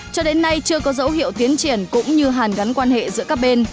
cho đến nay chưa có dấu hiệu tiến triển cũng như hàn gắn quan hệ giữa các bên